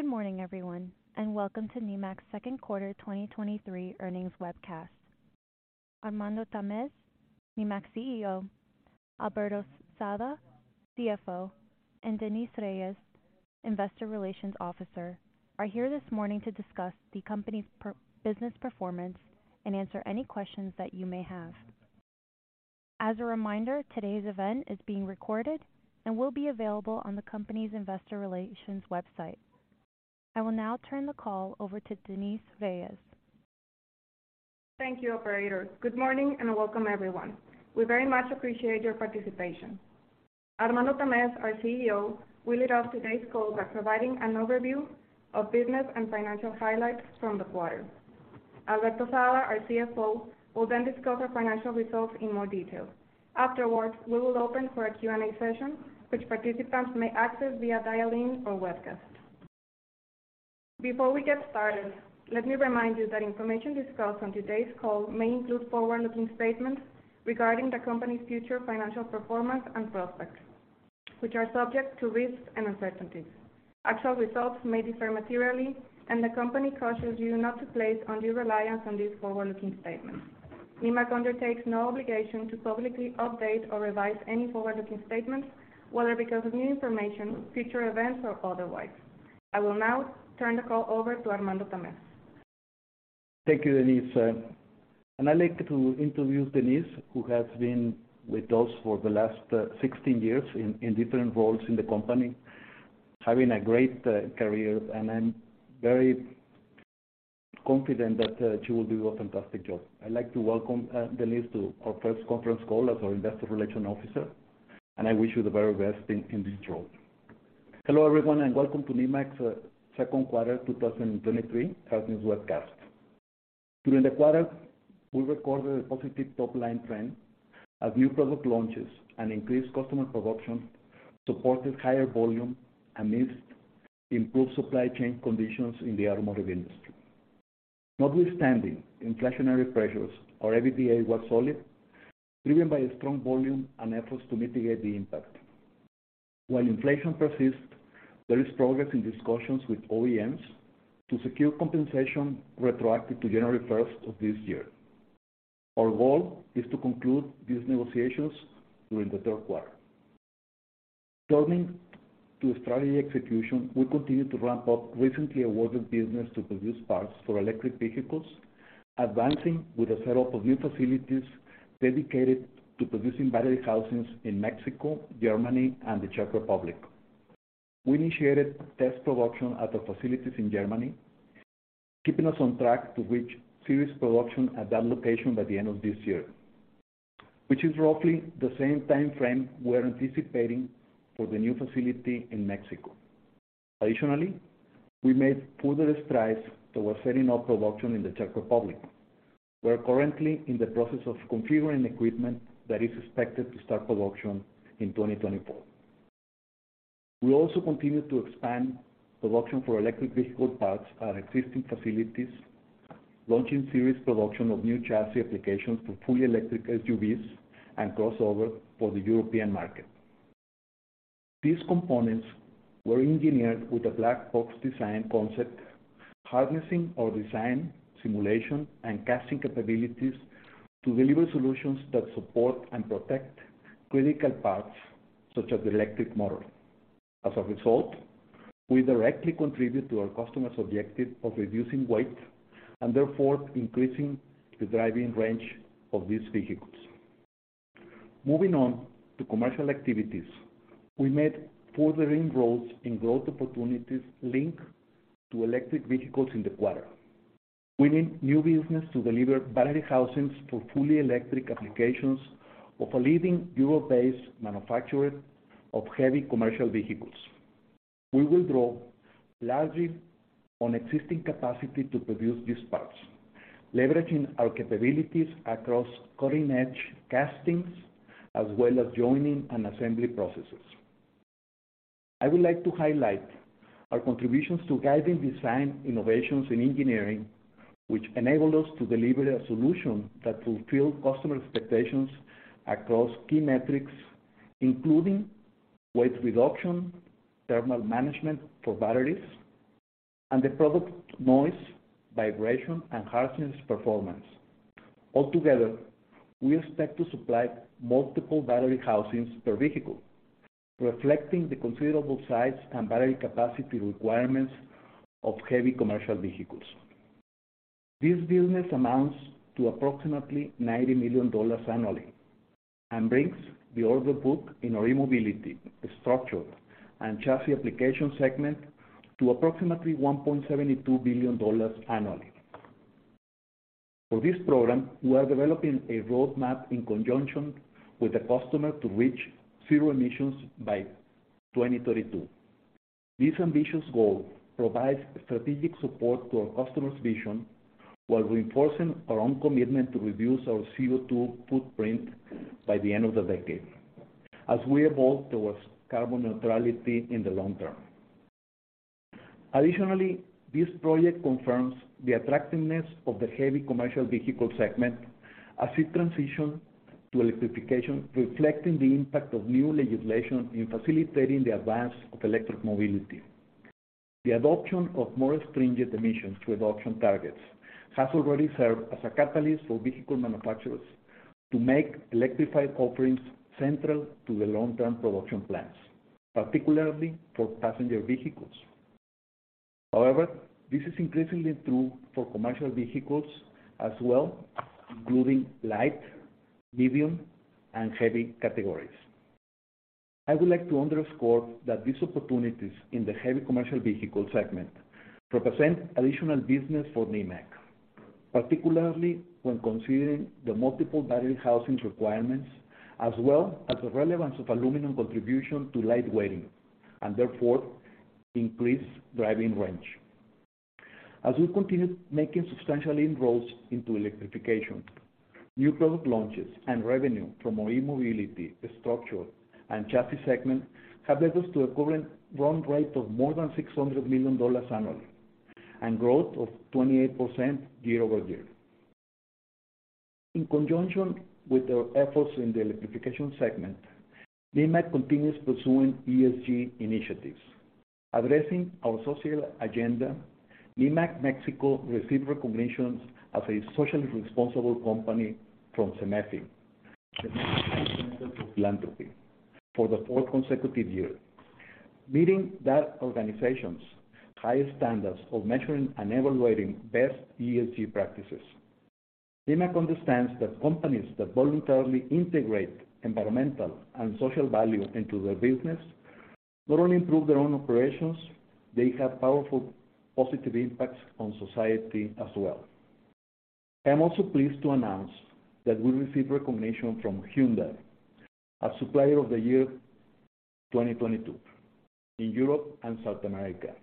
Good morning, everyone, and welcome to Nemak's Q2 2023 earnings webcast. Armando Tamez, Nemak's CEO, Alberto Sada, CFO, and Denise Reyes, Investor Relations Officer, are here this morning to discuss the company's business performance and answer any questions that you may have. As a reminder, today's event is being recorded and will be available on the company's investor relations website. I will now turn the call over to Denise Reyes. Thank you, operator. Good morning, and welcome everyone. We very much appreciate your participation. Armando Tamez, our CEO, will lead off today's call by providing an overview of business and financial highlights from the quarter. Alberto Sada, our CFO, will then discuss our financial results in more detail. Afterwards, we will open for a Q&A session, which participants may access via dial-in or webcast. Before we get started, let me remind you that information discussed on today's call may include forward-looking statements regarding the company's future financial performance and prospects, which are subject to risks and uncertainties. Actual results may differ materially, and the company cautions you not to place undue reliance on these forward-looking statements. Nemak undertakes no obligation to publicly update or revise any forward-looking statements, whether because of new information, future events, or otherwise. I will now turn the call over to Armando Tamez. Thank you, Denise. I'd like to introduce Denise, who has been with us for the last 16 years in different roles in the company, having a great career, and I'm very confident that she will do a fantastic job. I'd like to welcome Denise to her first conference call as our Investor Relations Officer, and I wish you the very best in this role. Hello, everyone, welcome to Nemak's Q2 2023 earnings webcast. During the quarter, we recorded a positive top-line trend as new product launches and increased customer production supported higher volume amidst improved supply chain conditions in the automotive industry. Notwithstanding inflationary pressures, our EBITDA was solid, driven by a strong volume and efforts to mitigate the impact. While inflation persists, there is progress in discussions with OEMs to secure compensation retroactive to January 1st of this year. Our goal is to conclude these negotiations during the Q3. Turning to strategy execution, we continue to ramp up recently awarded business to produce parts for electric vehicles, advancing with the setup of new facilities dedicated to producing battery housings in Mexico, Germany, and the Czech Republic. We initiated test production at our facilities in Germany, keeping us on track to reach series production at that location by the end of this year, which is roughly the same timeframe we're anticipating for the new facility in Mexico. Additionally, we made further strides towards setting up production in the Czech Republic. We're currently in the process of configuring equipment that is expected to start production in 2024. We also continued to expand production for electric vehicle parts at our existing facilities, launching series production of new chassis applications for fully electric SUVs and crossover for the European market. These components were engineered with a black box design concept, harnessing our design, simulation, and casting capabilities to deliver solutions that support and protect critical parts, such as the electric motor. As a result, we directly contribute to our customers' objective of reducing weight and therefore increasing the driving range of these vehicles. Moving on to commercial activities. We made further inroads in growth opportunities linked to electric vehicles in the quarter. We won new business to deliver battery housings for fully electric applications of a leading Europe-based manufacturer of heavy commercial vehicles. We will draw largely on existing capacity to produce these parts, leveraging our capabilities across cutting-edge castings, as well as joining and assembly processes. I would like to highlight our contributions to guiding design, innovations, and engineering, which enabled us to deliver a solution that fulfilled customer expectations across key metrics, including weight reduction, thermal management for batteries, and the product noise, vibration, and harshness performance. Altogether, we expect to supply multiple battery housings per vehicle, reflecting the considerable size and battery capacity requirements of heavy commercial vehicles. This business amounts to approximately $90 million annually and brings the order book in our mobility structure and chassis application segment to approximately $1.72 billion annually. For this program, we are developing a roadmap in conjunction with the customer to reach zero emissions by 2032. This ambitious goal provides strategic support to our customer's vision while reinforcing our own commitment to reduce our CO2 footprint by the end of the decade as we evolve towards carbon neutrality in the long term. Additionally, this project confirms the attractiveness of the heavy commercial vehicle segment as it transitions to electrification, reflecting the impact of new legislation in facilitating the advance of electric mobility. The adoption of more stringent adoption targets has already served as a catalyst for vehicle manufacturers to make electrified offerings central to their long-term production plans, particularly for passenger vehicles. This is increasingly true for commercial vehicles as well, including light, medium, and heavy categories. I would like to underscore that these opportunities in the heavy commercial vehicle segment represent additional business for Nemak, particularly when considering the multiple battery housings requirements, as well as the relevance of aluminum contribution to lightweighting, and therefore, increased driving range. As we continue making substantial inroads into electrification, new product launches and revenue from our e-mobility, structure, and chassis segment have led us to a current run rate of more than $600 million annually, and growth of 28% year-over-year. In conjunction with our efforts in the electrification segment, Nemak continues pursuing ESG initiatives. Addressing our social agenda, Nemak Mexico received recognitions as a socially responsible company from Cemefi, the Center for Philanthropy, for the fourth consecutive year, meeting that organization's high standards of measuring and evaluating best ESG practices. Nemak understands that companies that voluntarily integrate environmental and social value into their business, not only improve their own operations, they have powerful, positive impacts on society as well. I am also pleased to announce that we received recognition from Hyundai as Supplier of the Year 2022 in Europe and South America.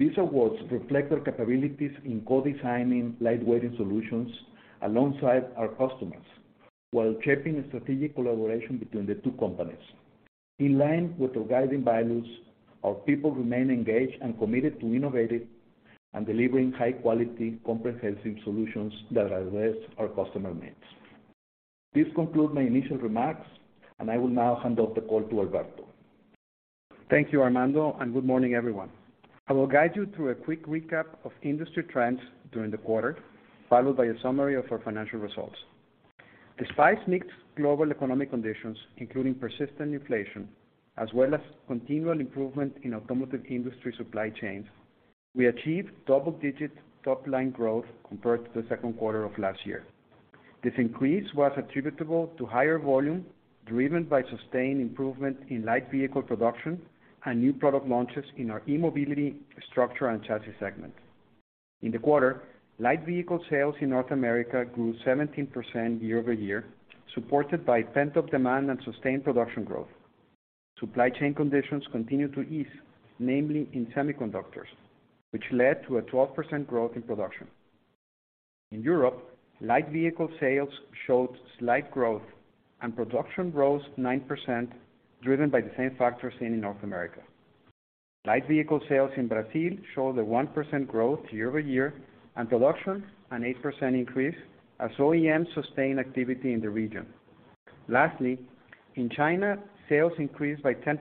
These awards reflect our capabilities in co-designing lightweighting solutions alongside our customers, while shaping a strategic collaboration between the two companies. In line with our guiding values, our people remain engaged and committed to innovating and delivering high-quality, comprehensive solutions that address our customer needs. This concludes my initial remarks. I will now hand off the call to Alberto. Thank you, Armando, and good morning, everyone. I will guide you through a quick recap of industry trends during the quarter, followed by a summary of our financial results. Despite mixed global economic conditions, including persistent inflation, as well as continual improvement in automotive industry supply chains, we achieved double-digit top-line growth compared to the Q2 of last year. This increase was attributable to higher volume, driven by sustained improvement in light vehicle production and new product launches in our e-mobility, structure, and chassis segment. In the quarter, light vehicle sales in North America grew 17% year-over-year, supported by pent-up demand and sustained production growth. Supply chain conditions continued to ease, namely in semiconductors, which led to a 12% growth in production. In Europe, light vehicle sales showed slight growth, and production rose 9%, driven by the same factors seen in North America. Light vehicle sales in Brazil showed a 1% growth year-over-year, and production, an 8% increase, as OEM sustained activity in the region. Lastly, in China, sales increased by 10%,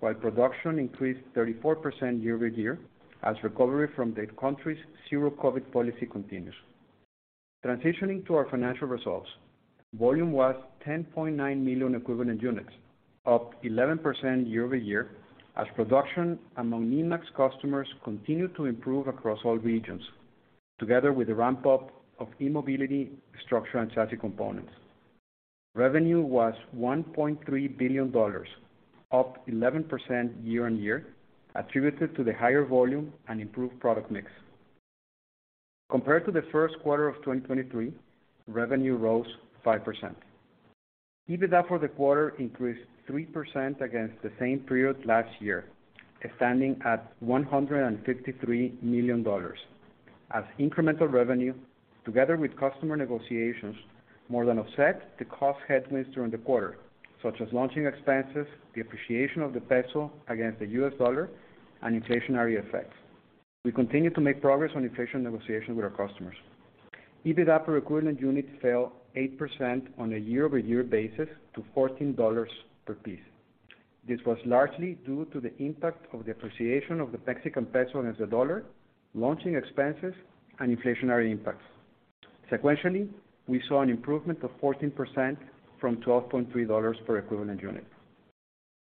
while production increased 34% year-over-year, as recovery from the country's zero-COVID policy continues. Transitioning to our financial results, volume was 10.9 million equivalent units, up 11% year-over-year, as production among Nemak's customers continued to improve across all regions, together with the ramp-up of e-mobility, structure, and chassis components. Revenue was $1.3 billion, up 11% year-on-year, attributed to the higher volume and improved product mix. Compared to the Q1 of 2023, revenue rose 5%. EBITDA for the quarter increased 3% against the same period last year, standing at $153 million, as incremental revenue, together with customer negotiations, more than offset the cost headwinds during the quarter, such as launching expenses, the appreciation of the peso against the US dollar, and inflationary effects. We continue to make progress on inflation negotiations with our customers. EBITDA per equivalent unit fell 8% on a year-over-year basis to $14 per piece. This was largely due to the impact of the appreciation of the Mexican peso and the US dollar, launching expenses, and inflationary impacts. Sequentially, we saw an improvement of 14% from $12.3 per equivalent unit.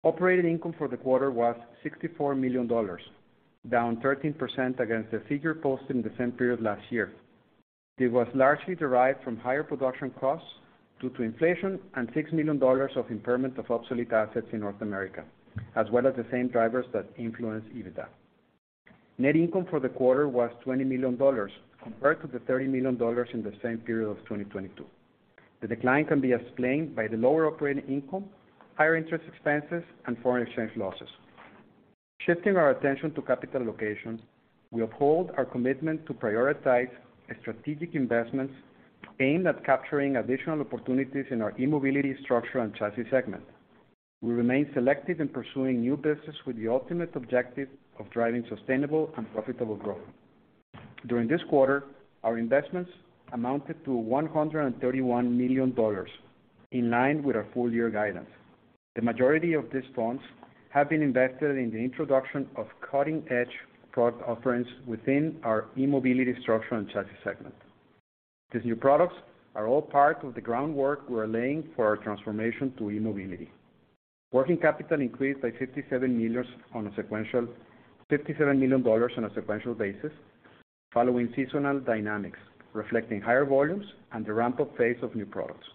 Operating income for the quarter was $64 million, down 13% against the figure posted in the same period last year. It was largely derived from higher production costs due to inflation and $6 million of impairment of obsolete assets in North America, as well as the same drivers that influence EBITDA. Net income for the quarter was $20 million, compared to the $30 million in the same period of 2022. The decline can be explained by the lower operating income, higher interest expenses, and foreign exchange losses. Shifting our attention to capital locations, we uphold our commitment to prioritize strategic investments aimed at capturing additional opportunities in our e-mobility, structure, and chassis segment. We remain selective in pursuing new business with the ultimate objective of driving sustainable and profitable growth. During this quarter, our investments amounted to $131 million, in line with our full-year guidance. The majority of these funds have been invested in the introduction of cutting-edge product offerings within our e-mobility, structure, and chassis segment. These new products are all part of the groundwork we are laying for our transformation to e-mobility. Working capital increased by $57 million on a sequential basis, following seasonal dynamics, reflecting higher volumes and the ramp-up phase of new products.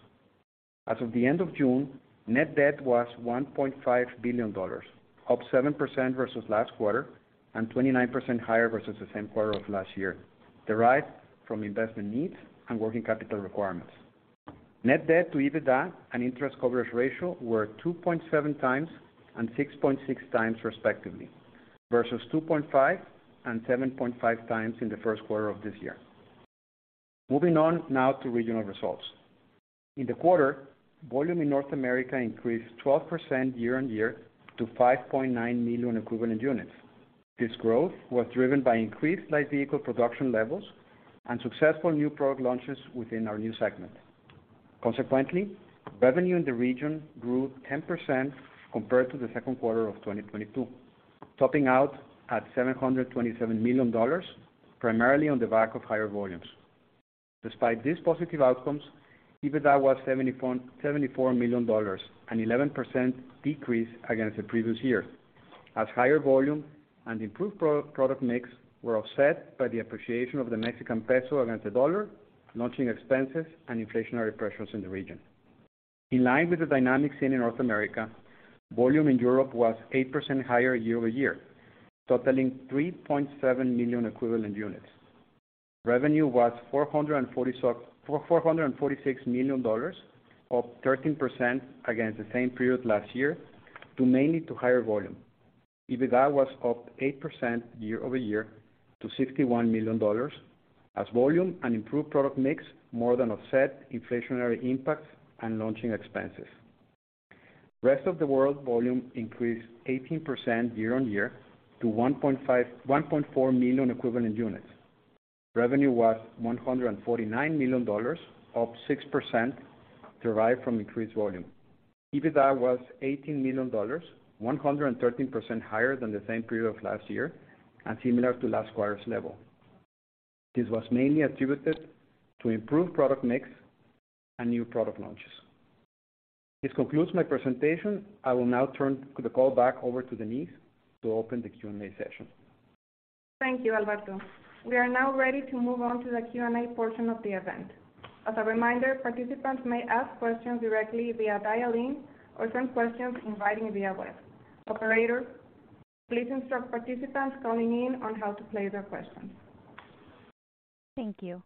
As of the end of June, net debt was $1.5 billion, up 7% versus last quarter, and 29% higher versus the same quarter of last year, derived from investment needs and working capital requirements. Net debt to EBITDA and interest coverage ratio were 2.7x and 6.6x, respectively, versus 2.5x and 7.5x in the Q1 of this year. Moving on now to regional results. In the quarter, volume in North America increased 12% year-over-year to 5.9 million equivalent units. This growth was driven by increased light vehicle production levels and successful new product launches within our new segment. Consequently, revenue in the region grew 10% compared to the Q2 of 2022, topping out at $727 million, primarily on the back of higher volumes. Despite these positive outcomes, EBITDA was $74 million, an 11% decrease against the previous year, as higher volume and improved product mix were offset by the appreciation of the Mexican peso against the dollar, launching expenses and inflationary pressures in the region. In line with the dynamics in North America, volume in Europe was 8% higher year-over-year, totaling 3.7 million equivalent units. Revenue was $446 million, up 13% against the same period last year, mainly to higher volume. EBITDA was up 8% year-over-year to $61 million, as volume and improved product mix more than offset inflationary impacts and launching expenses. Rest of the world volume increased 18% year-on-year to 1.4 million equivalent units. Revenue was $149 million, up 6%, derived from increased volume. EBITDA was $18 million, 113% higher than the same period of last year and similar to last quarter's level. This was mainly attributed to improved product mix and new product launches. This concludes my presentation. I will now turn the call back over to Denise to open the Q&A session. Thank you, Alberto. We are now ready to move on to the Q&A portion of the event. As a reminder, participants may ask questions directly via dial-in or send questions in writing via web. Operator, please instruct participants calling in on how to place their questions. Thank you.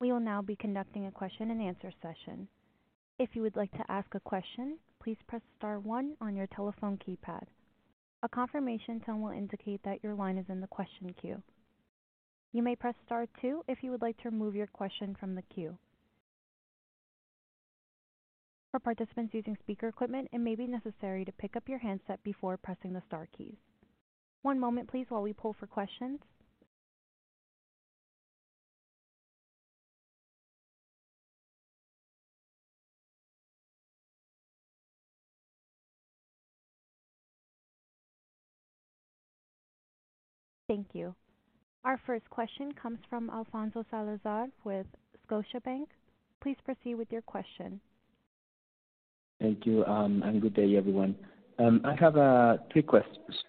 We will now be conducting a question-and-answer session. If you would like to ask a question, please press star one on your telephone keypad. A confirmation tone will indicate that your line is in the question queue. You may press star two if you would like to remove your question from the queue. For participants using speaker equipment, it may be necessary to pick up your handset before pressing the star keys. One moment, please, while we pull for questions. Thank you. Our first question comes from Alfonso Salazar with Scotiabank. Please proceed with your question. Thank you. Good day, everyone. I have three questions.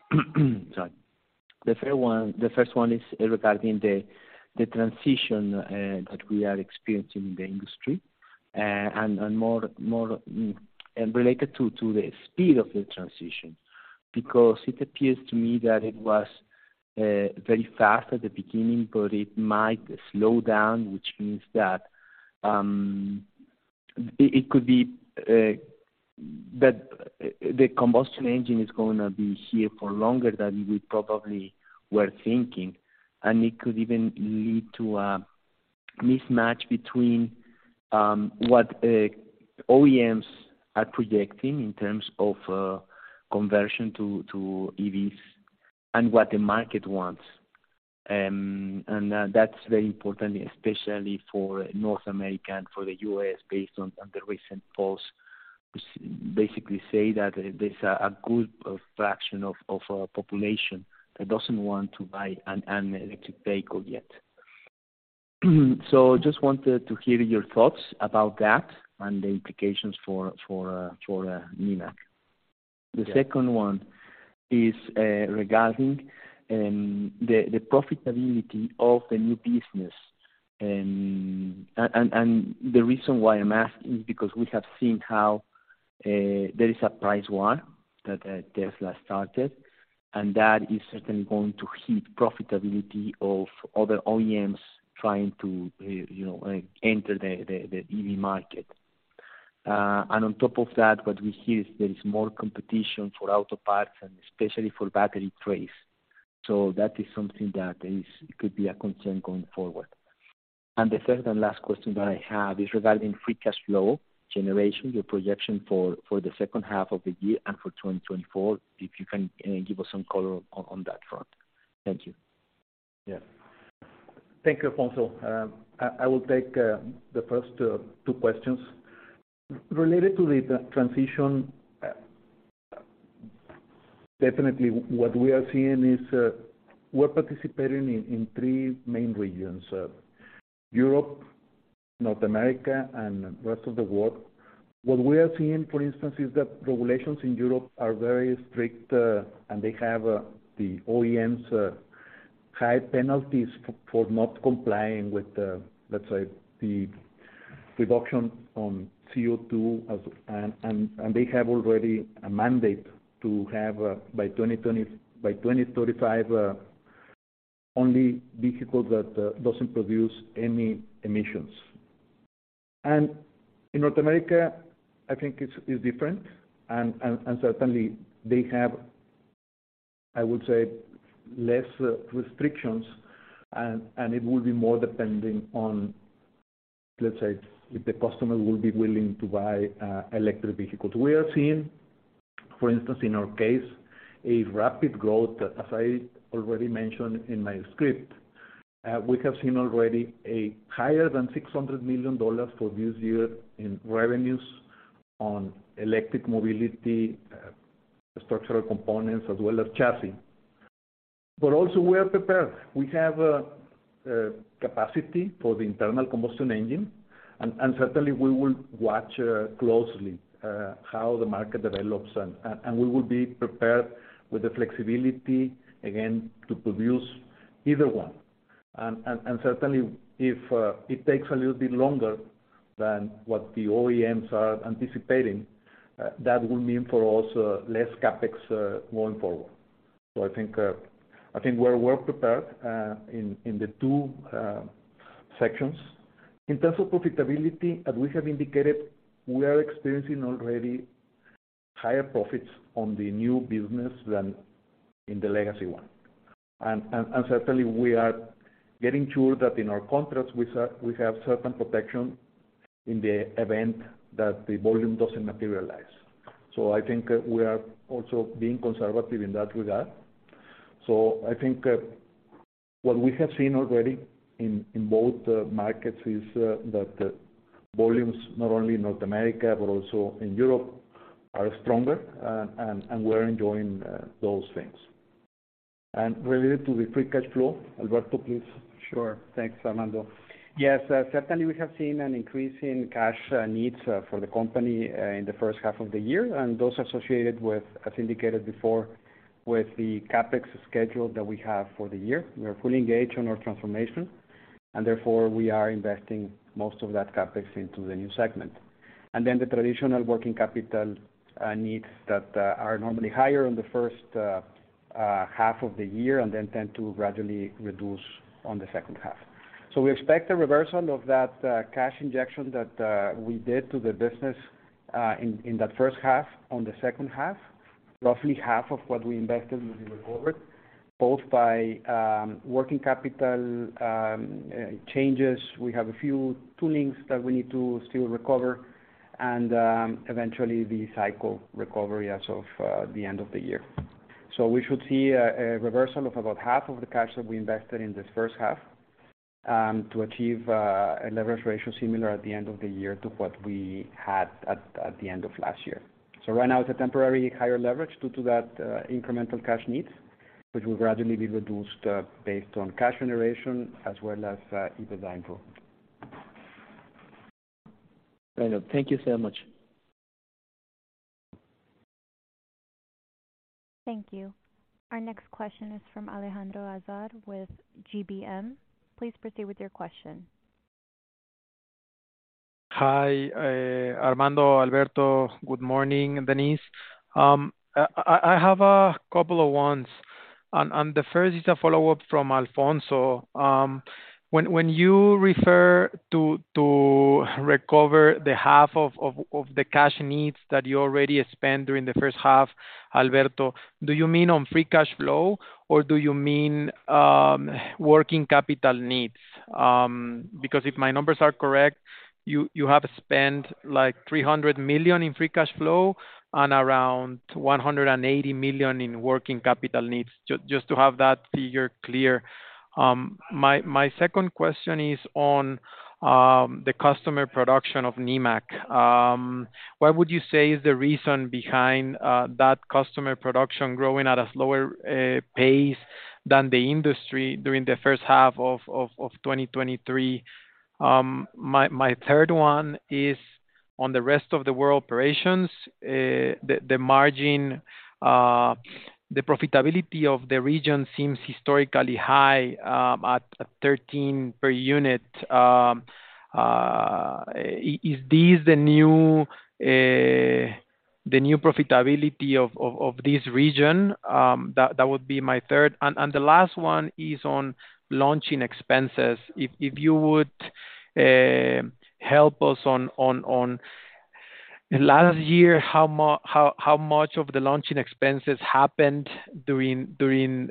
Sorry. The first one is regarding the transition that we are experiencing in the industry and more and related to the speed of the transition. It appears to me that it was very fast at the beginning, but it might slow down, which means that it could be that the combustion engine is going to be here for longer than we probably were thinking. It could even lead to a mismatch between what OEMs are projecting in terms of conversion to EVs and what the market wants. That's very important, especially for North America and for the US, based on the recent polls, which basically say that there's a good fraction of our population that doesn't want to buy an electric vehicle yet. Just wanted to hear your thoughts about that and the implications for Nemak. The second one is regarding the profitability of the new business. And the reason why I'm asking is because we have seen how there is a price war that Tesla started, and that is certainly going to hit profitability of other OEMs trying to, you know, enter the EV market. On top of that, what we hear is there is more competition for auto parts and especially for battery trays. That is something that is, could be a concern going forward. The third and last question that I have is regarding free cash flow generation, your projection for the H2 of the year and for 2024, if you can give us some color on that front. Thank you. Yeah. Thank you, Alfonso. I will take the first two questions. Related to the transition, definitely what we are seeing is, we're participating in three main regions, Europe, North America, and the rest of the world. What we are seeing, for instance, is that regulations in Europe are very strict, and they have the OEMs', high penalties for not complying with the, let's say, the reduction on CO2 and they have already a mandate to have by 2035 only vehicles that doesn't produce any emissions. In North America, I think it's, is different. Certainly they have, I would say, less restrictions, and it will be more depending on, let's say, if the customer will be willing to buy electric vehicles. We are seeing, for instance, in our case, a rapid growth. As I already mentioned in my script, we have seen already a higher than $600 million for this year in revenues on electric mobility, structural components, as well as chassis. Also, we are prepared. We have a capacity for the internal combustion engine, and certainly we will watch closely how the market develops, and certainly we will be prepared with the flexibility, again, to produce either one. Certainly, if it takes a little bit longer than what the OEMs are anticipating, that would mean for us less CapEx going forward. I think we're well prepared in the two sections. In terms of profitability, as we have indicated, we are experiencing already higher profits on the new business than in the legacy one. Certainly, we are getting sure that in our contracts, we have certain protection in the event that the volume doesn't materialize. I think, we are also being conservative in that regard. I think, what we have seen already in both markets is that volumes, not only in North America but also in Europe, are stronger. We're enjoying those things. Related to the free cash flow, Alberto, please. Sure. Thanks, Armando. Yes, certainly, we have seen an increase in cash needs for the company in the H1 of the year, and those associated with, as indicated before, with the CapEx schedule that we have for the year. We are fully engaged on our transformation, and therefore, we are investing most of that CapEx into the new segment. The traditional working capital needs that are normally higher in the H1 of the year, and then tend to gradually reduce on the H2. We expect a reversal of that cash injection that we did to the business in that H1, on the H2. Roughly half of what we invested will be recovered, both by working capital changes. We have a few toolings that we need to still recover and, eventually the cycle recovery as of the end of the year. We should see a reversal of about half of the cash that we invested in this H1, to achieve a leverage ratio similar at the end of the year to what we had at the end of last year. Right now, it's a temporary higher leverage due to that incremental cash needs, which will gradually be reduced based on cash generation as well as EBITDA improvement. Thank you so much. Thank you. Our next question is from Alejandro Azar with GBM. Please proceed with your question. Hi, Armando, Alberto. Good morning, Denise. I have a couple of ones. The first is a follow-up from Alfonso. When you refer to recover the half of the cash needs that you already spent during the H1, Alberto, do you mean on free cash flow, or do you mean working capital needs? If my numbers are correct, you have spent like $300 million in free cash flow and around $180 million in working capital needs. Just to have that figure clear. My second question is on the customer production of Nemak. What would you say is the reason behind that customer production growing at a slower pace than the industry during the H1 of 2023? My third one is on the rest of the world operations. The margin, the profitability of the region seems historically high, at 13 per unit. Is this the new profitability of this region? That would be my third. The last one is on launching expenses. If you would, help us on. Last year, how much of the launching expenses happened during the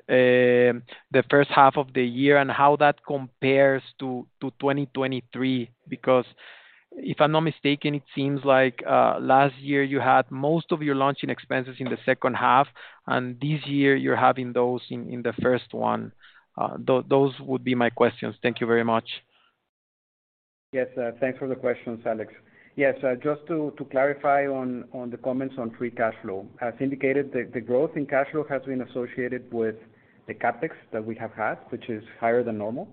H1 of the year, and how that compares to 2023? Because if I'm not mistaken, it seems like last year you had most of your launching expenses in the H2, and this year you're having those in the first one. Those would be my questions. Thank you very much. Yes, thanks for the questions, Alex. Yes, just to clarify on the comments on free cash flow. As indicated, the growth in cash flow has been associated with the CapEx that we have had, which is higher than normal,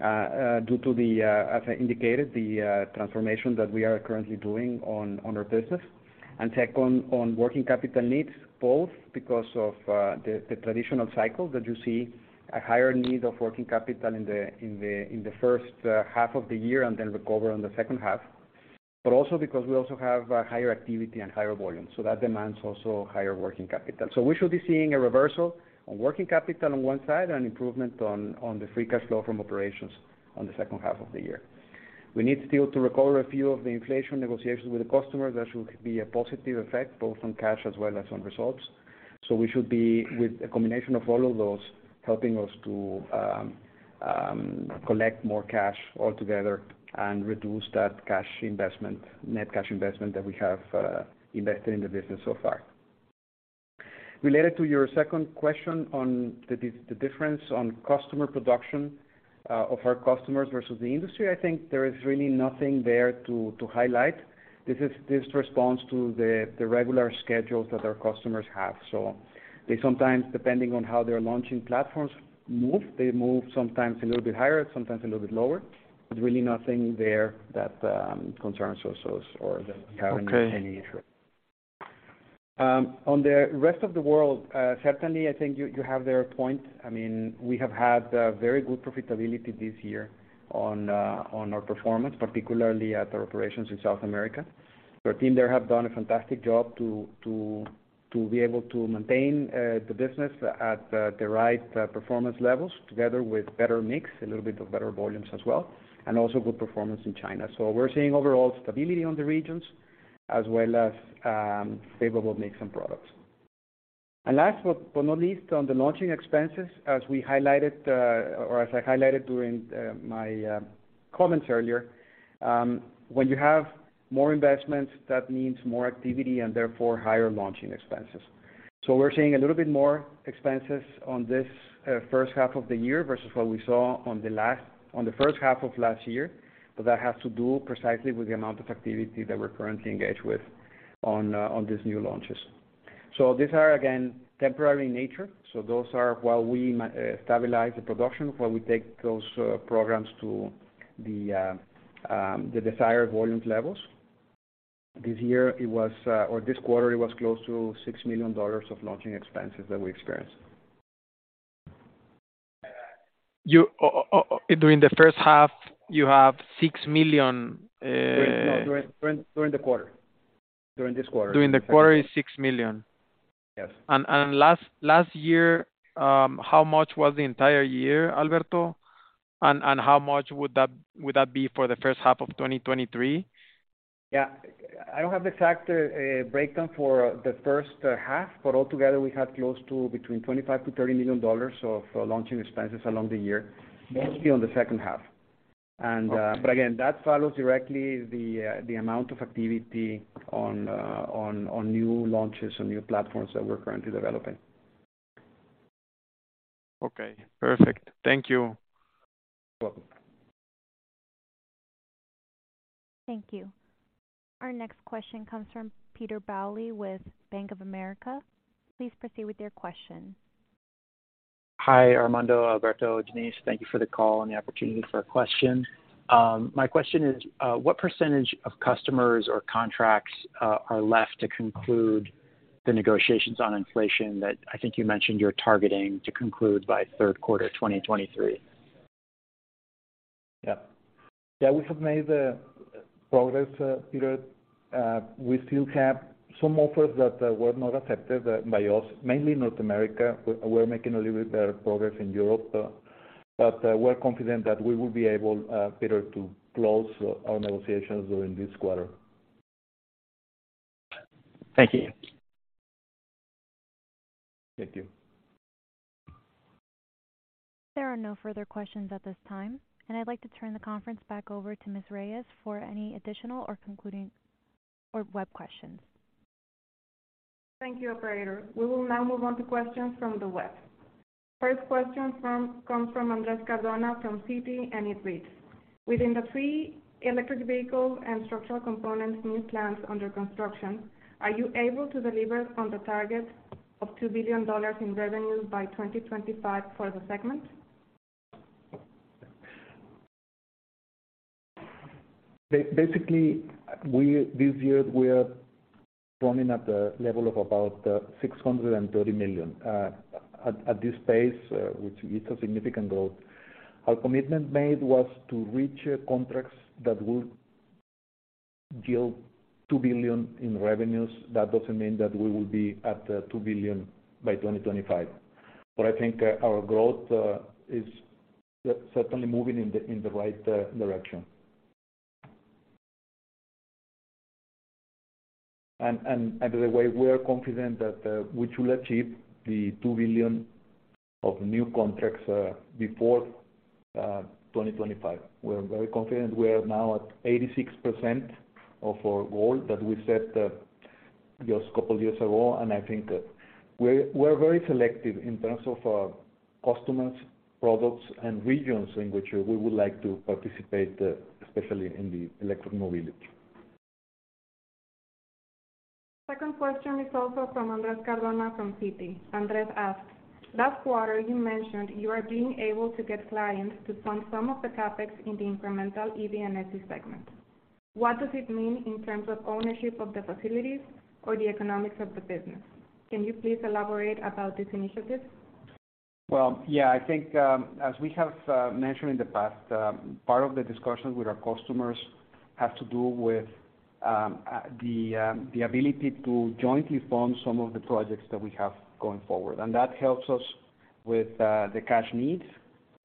due to the, as I indicated, the transformation that we are currently doing on our business. Second, on working capital needs, both because of the traditional cycle that you see a higher need of working capital in the H1 of the year and then recover on the H2, but also because we also have a higher activity and higher volume, so that demands also higher working capital. We should be seeing a reversal on working capital on one side and improvement on the free cash flow from operations on the H2 of the year. We need still to recover a few of the inflation negotiations with the customers. That should be a positive effect, both on cash as well as on results. We should be, with a combination of all of those, helping us to collect more cash altogether and reduce that cash investment, net cash investment that we have invested in the business so far. Related to your second question on the difference on customer production of our customers versus the industry, I think there is really nothing there to highlight. This responds to the regular schedules that our customers have. They sometimes, depending on how they're launching platforms, move. They move sometimes a little bit higher, sometimes a little bit lower. There's really nothing there that concerns us or that we have any interest. Okay. On the rest of the world, certainly, I think you have their point. I mean, we have had very good profitability this year on our performance, particularly at our operations in South America. Our team there have done a fantastic job to be able to maintain the business at the right performance levels, together with better mix, a little bit of better volumes as well, and also good performance in China. We're seeing overall stability on the regions as well as favorable mix and products. Last but not least, on the launching expenses, as we highlighted, or as I highlighted during my comments earlier, when you have more investments, that means more activity and therefore higher launching expenses. We're seeing a little bit more expenses on this H1 of the year versus what we saw on the H1 of last year, but that has to do precisely with the amount of activity that we're currently engaged with on these new launches. These are, again, temporary in nature, so those are while we stabilize the production, while we take those programs to the desired volume levels. This year, it was, or this quarter, it was close to $6 million of launching expenses that we experienced. You, during the H1, you have $6 million. During the quarter. During this quarter. During the quarter is $6 million? Yes. Last year, how much was the entire year, Alberto? How much would that be for the H1 of 2023? Yeah. I don't have the exact breakdown for the H1, altogether we had close to between $25 million-$30 million of launching expenses along the year, mostly on the H2. Okay. But again, that follows directly the amount of activity on new launches and new platforms that we're currently developing. Okay, perfect. Thank you. You're welcome. Thank you. Our next question comes from Peter Bowley with Bank of America. Please proceed with your question. Hi, Armando, Alberto, Denise, thank you for the call and the opportunity for a question. My question is, what percentage of customers or contracts are left to conclude the negotiations on inflation that I think you mentioned you're targeting to conclude by Q3, 2023? Yeah. Yeah, we have made progress, Peter. We still have some offers that were not accepted by us, mainly North America. We're making a little bit better progress in Europe, but we're confident that we will be able, Peter, to close our negotiations during this quarter. Thank you. Thank you. There are no further questions at this time, and I'd like to turn the conference back over to Ms. Reyes for any additional or concluding or web questions. Thank you, operator. We will now move on to questions from the web. First question comes from Andres Cardona from Citi. "Within the three electric vehicle and structural components, new plants under construction, are you able to deliver on the target of $2 billion in revenue by 2025 for the segment?" Basically, this year, we are running at the level of about $630 million. At this pace, which is a significant growth, our commitment made was to reach contracts that would yield $2 billion in revenues. That doesn't mean that we will be at $2 billion by 2025, but I think our growth is certainly moving in the right direction. By the way, we are confident that we should achieve the $2 billion of new contracts before 2025. We're very confident. We are now at 86% of our goal that we set, just a couple years ago, and I think that we're very selective in terms of customers, products, and regions in which we would like to participate, especially in the electric mobility. Second question is also from Andres Cardona from Citi. Andres asks, "Last quarter, you mentioned you are being able to get clients to fund some of the CapEx in the incremental EV and SC segment. What does it mean in terms of ownership of the facilities or the economics of the business? Can you please elaborate about this initiative?" Well, yeah, I think, as we have mentioned in the past, part of the discussions with our customers have to do with the ability to jointly fund some of the projects that we have going forward. That helps us with the cash needs,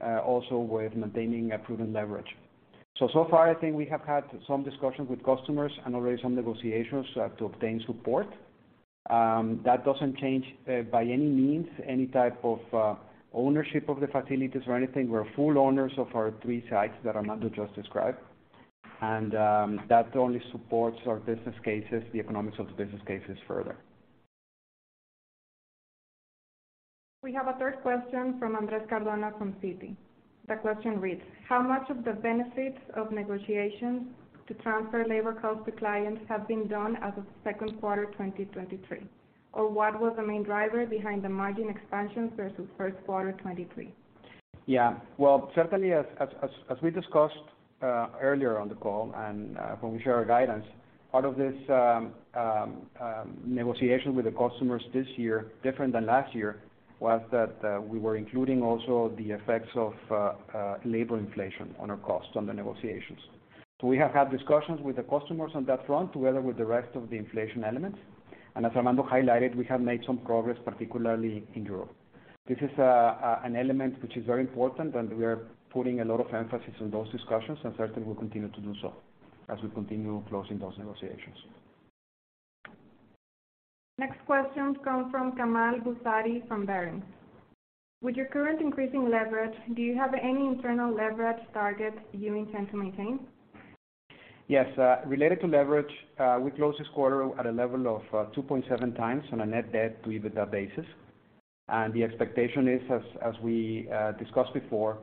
also with maintaining a prudent leverage. So far, I think we have had some discussions with customers and already some negotiations to obtain support. That doesn't change by any means, any type of ownership of the facilities or anything. We're full owners of our three sites that Armando just described. That only supports our business cases, the economics of the business cases further. We have a third question from Andres Cardona from Citi. The question reads, "How much of the benefits of negotiations to transfer labor costs to clients have been done as of Q2, 2023? What was the main driver behind the margin expansion versus Q1 2023?" Yeah. Well, certainly as we discussed earlier on the call and when we share our guidance, part of this negotiation with the customers this year, different than last year, was that we were including also the effects of labor inflation on our costs, on the negotiations. We have had discussions with the customers on that front, together with the rest of the inflation elements. As Armando highlighted, we have made some progress, particularly in Europe. This is an element which is very important, and we are putting a lot of emphasis on those discussions, and certainly we'll continue to do so as we continue closing those negotiations. Next question comes from Kamel Bouzidi from Barings. "With your current increasing leverage, do you have any internal leverage target you intend to maintain?" Yes, related to leverage, we closed this quarter at a level of 2.7x on a net debt to EBITDA basis. The expectation is, as we discussed before,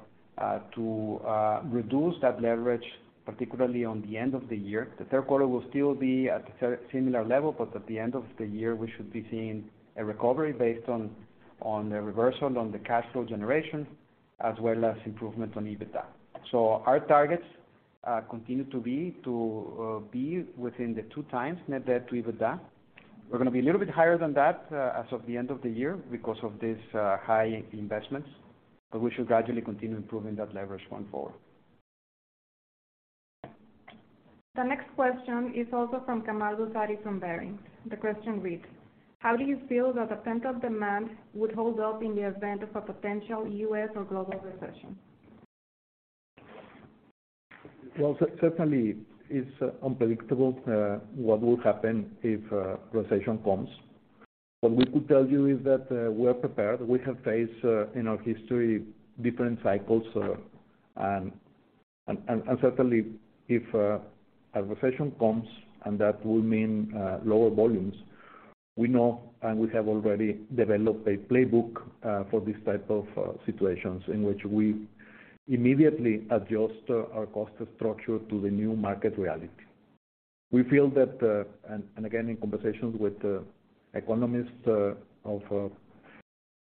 to reduce that leverage, particularly on the end of the year. The Q3 will still be at a similar level, but at the end of the year, we should be seeing a recovery based on the reversal on the cash flow generation, as well as improvement on EBITDA. Our targets continue to be, to be within the 2x net debt to EBITDA. We're going to be a little bit higher than that, as of the end of the year because of these high investments, but we should gradually continue improving that leverage going forward. The next question is also from Kamel Bouzidi from Barings. The question reads, "How do you feel that the pent-up demand would hold up in the event of a potential US or global recession?" Well, certainly, it's unpredictable, what will happen if a recession comes. What we could tell you is that, we are prepared. We have faced in our history, different cycles, and certainly, if a recession comes, and that would mean lower volumes, we know and we have already developed a playbook for these type of situations, in which we immediately adjust our cost structure to the new market reality. We feel that, and again, in conversations with the economists of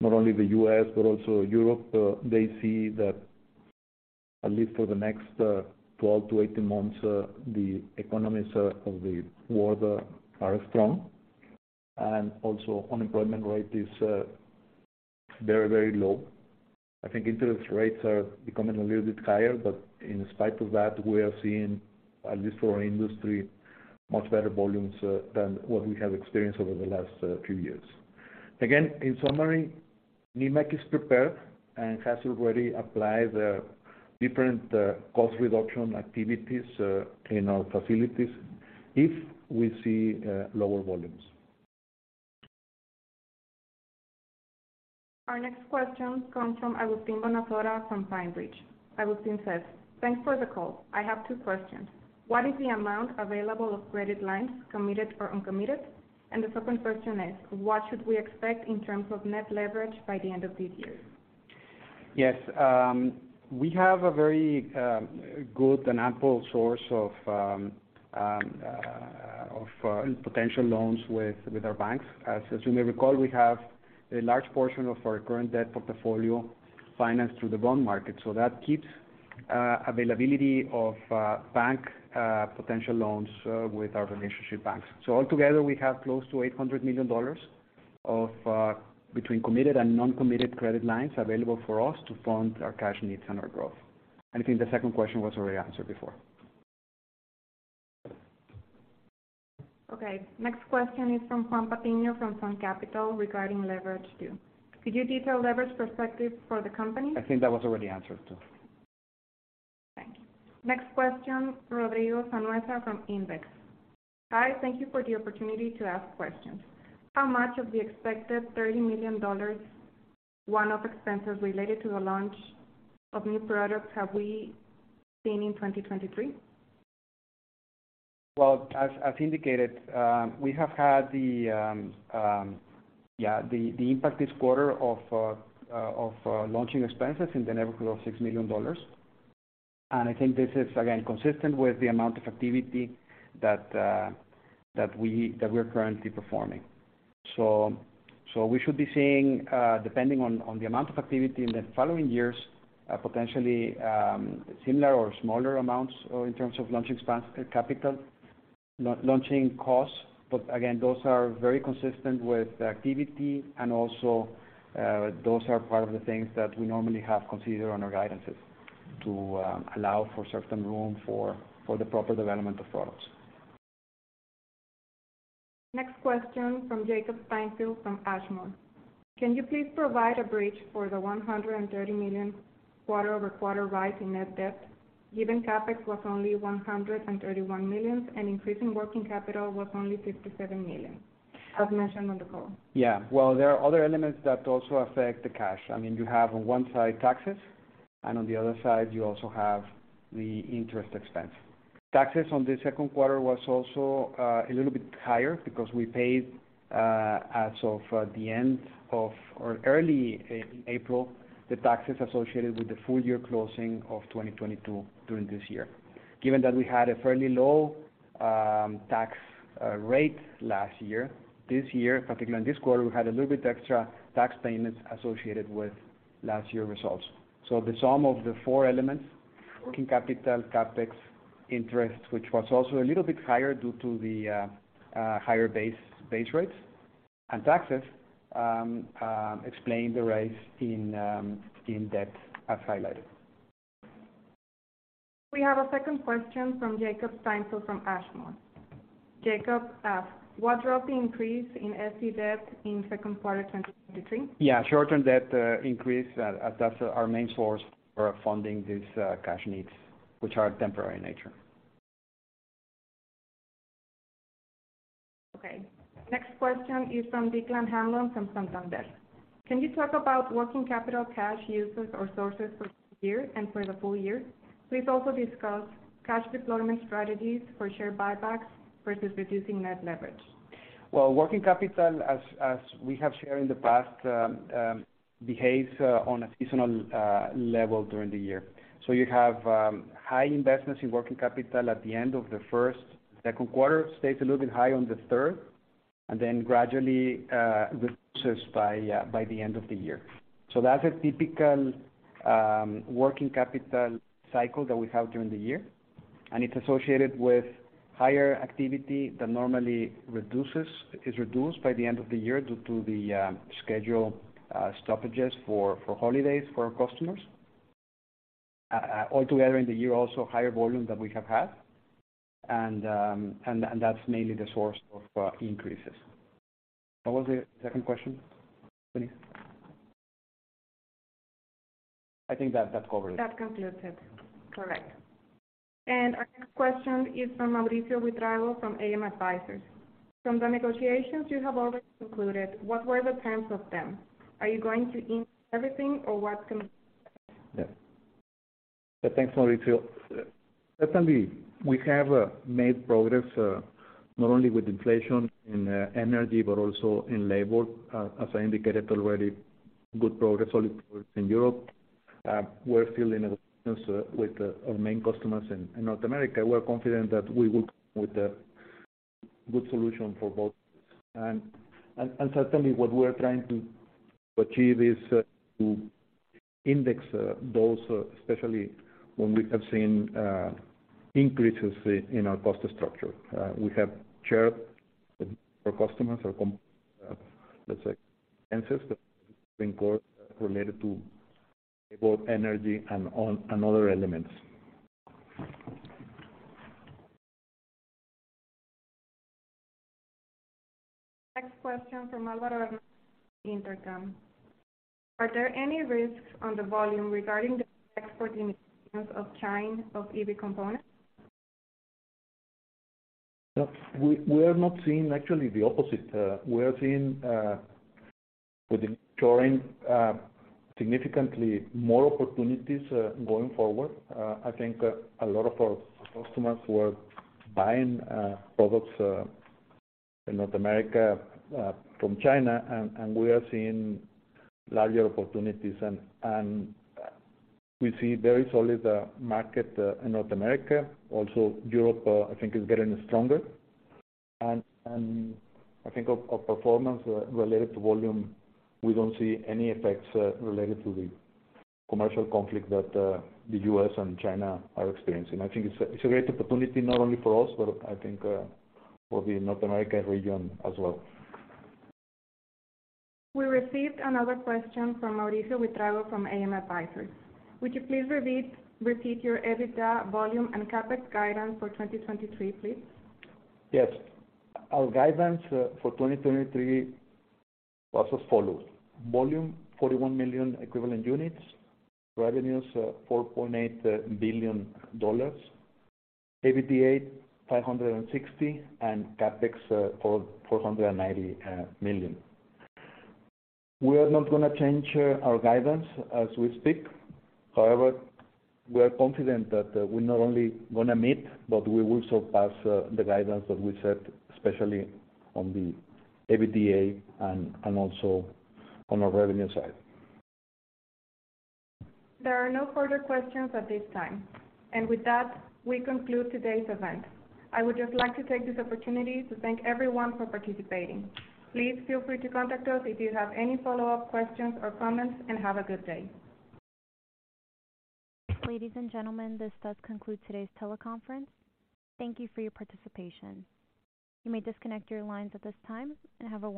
not only the US, but also Europe, they see that at least for the next 12-18 months, the economies of the world are strong, and also unemployment rate is very, very low. I think interest rates are becoming a little bit higher, but in spite of that, we are seeing, at least for our industry, much better volumes than what we have experienced over the last few years. In summary, Nemak is prepared and has already applied different cost reduction activities in our facilities if we see lower volumes. Our next question comes from Agustin Bonacossa, from PineBridge. Agustin says, "Thanks for the call. I have two questions. What is the amount available of credit lines, committed or uncommitted? The second question is, what should we expect in terms of net leverage by the end of this year?" Yes, we have a very good and ample source of potential loans with our banks. As you may recall, we have a large portion of our current debt portfolio financed through the bond market. That keeps availability of bank potential loans with our relationship banks. Altogether, we have close to $800 million of between committed and non-committed credit lines available for us to fund our cash needs and our growth. I think the second question was already answered before. Next question is from Juan Patiño, from SunCapital, regarding leverage too. "Could you detail leverage perspective for the company?" I think that was already answered, too. Thank you. Next question, Rodrigo Sganzela from Invex. "Hi, thank you for the opportunity to ask questions. How much of the expected $30 million one-off expenses related to the launch of new products have we seen in 2023?" As indicated, we have had the impact this quarter of launching expenses in the neighborhood of $6 million. I think this is, again, consistent with the amount of activity that we're currently performing. We should be seeing, depending on the amount of activity in the following years, potentially similar or smaller amounts in terms of launch expense, capital, launching costs. Again, those are very consistent with the activity and also, those are part of the things that we normally have considered on our guidances, to allow for certain room for the proper development of products. Next question from Jakob Stengel, from Ashmore. "Can you please provide a bridge for the $130 million quarter-over-quarter rise in net debt, given CapEx was only $131 million, and increase in working capital was only $57 million, as mentioned on the call?" Well, there are other elements that also affect the cash. I mean, you have on one side, taxes, and on the other side, you also have the interest expense. Taxes on the Q2 was also a little bit higher because we paid as of the end of or early April, the taxes associated with the full year closing of 2022 during this year. Given that we had a fairly low tax rate last year, this year, particularly in this quarter, we had a little bit extra tax payments associated with last year's results. The sum of the four elements, working capital, CapEx, interest, which was also a little bit higher due to the higher base rates, and taxes, explain the rise in debt, as highlighted. We have a second question from Jakob Stengel from Ashmore. Jakob asks, "What drove the increase in SC debt in Q2 2023?" Yeah, short-term debt increased as that's our main source for funding these cash needs, which are temporary in nature. Okay, next question is from Declan Hanlon from Santander. "Can you talk about working capital cash uses or sources for this year and for the full year? Please also discuss cash deployment strategies for share buybacks versus reducing net leverage." Working capital, as we have shared in the past, behaves on a seasonal level during the year. You have high investments in working capital at the end of the Q1, Q2, stays a little bit high on the Q3, gradually reduces by the end of the year. That's a typical working capital cycle that we have during the year, it's associated with higher activity that normally is reduced by the end of the year due to the schedule stoppages for holidays for our customers. Altogether in the year, also, higher volume than we have had, and that's mainly the source of increases. What was the second question, Denise? I think that covered it. That concludes it. Correct. Our next question is from Mauricio Buitrago, from AM Advisors. "From the negotiations you have already concluded, what were the terms of them? Are you going to ink everything or what can?" Thanks, Mauricio. Definitely, we have made progress, not only with inflation in energy, but also in labor. As I indicated already, good progress, solid progress in Europe. We're still in negotiations with our main customers in North America. We're confident that we will, with a good solution for both. Certainly, what we're trying to achieve is to index those, especially when we have seen increases in our cost structure. We have shared with our customers, our let's say, expenses that are in quote, related to both energy and other elements. Next question from Alvaro Hernandez from Intercam. "Are there any risks on the volume regarding the export initiatives of China of e-mobility components?" We, we are not seeing. Actually, the opposite. We are seeing with China significantly more opportunities going forward. I think a lot of our customers were buying products in North America from China, and we are seeing larger opportunities. We see very solid market in North America. Also, Europe, I think is getting stronger. I think our performance related to volume, we don't see any effects related to the commercial conflict that the US and China are experiencing. I think it's a great opportunity not only for us, but I think for the North America region as well. We received another question from Mauricio Buitrago from AM Advisors. "Would you please repeat your EBITDA, volume, and CapEx guidance for 2023, please?" Yes. Our guidance for 2023 was as follows, volume, 41 million equivalent units; revenues, $4.8 billion; EBITDA, $560 million; and CapEx, $490 million. We are not going to change our guidance as we speak. However, we are confident that we not only going to meet, but we will surpass the guidance that we set, especially on the EBITDA and also on our revenue side. There are no further questions at this time. With that, we conclude today's event. I would just like to take this opportunity to thank everyone for participating. Please feel free to contact us if you have any follow-up questions or comments, and have a good day. Ladies and gentlemen, this does conclude today's teleconference. Thank you for your participation. You may disconnect your lines at this time, and have a wonderful day.